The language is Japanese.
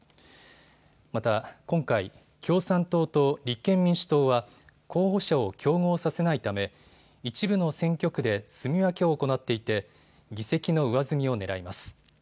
また今回、共産党と立憲民主党は候補者を競合させないため一部の選挙区ですみ分けを行っていて議席の上積みをねらいます。